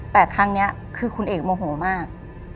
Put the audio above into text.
แต่ครั้งนี้คือคุณเอกโมโหมาก